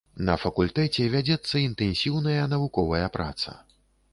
На факультэце вядзецца інтэнсіўная навуковая праца.